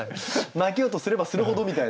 負けようとすればするほどみたいな。